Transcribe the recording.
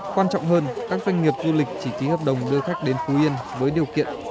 quan trọng hơn các doanh nghiệp du lịch chỉ ký hợp đồng đưa khách đến phú yên với điều kiện